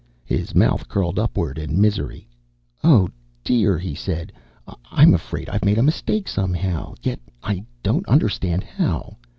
His mouth curled upward in misery. "Oh, dear," he said, "I'm afraid I've made a mistake somehow. Yet I don't understand how.